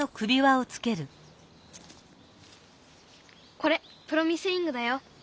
これプロミスリングだよ。